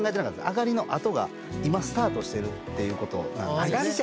あがりのあとが今スタートしてるっていうことなんです。